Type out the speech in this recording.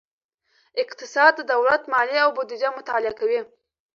اقتصاد د دولت مالیې او بودیجه مطالعه کوي.